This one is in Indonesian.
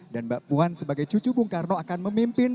dan mbak puan sebagai cucu bung karno akan memimpin